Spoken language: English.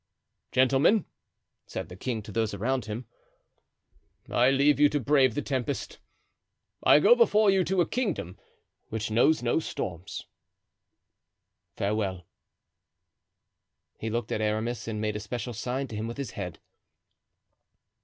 "Gentlemen," said the king to those around him, "I leave you to brave the tempest; I go before you to a kingdom which knows no storms. Farewell." He looked at Aramis and made a special sign to him with his head.